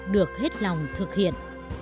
được hết lòng thực hiện